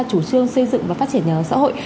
chủ trương xây dựng và phát triển nhà ở xã hội